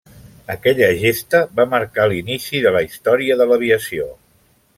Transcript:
Aquella gesta va marcar l'inici de la història de l'aviació.